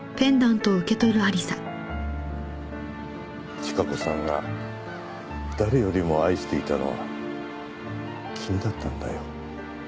千加子さんが誰よりも愛していたのは君だったんだよ。